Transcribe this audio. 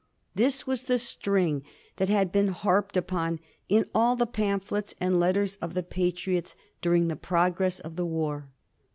This was the string that had been harped upon in all the pamphlets and lettera of the Patriots during the progress of the war.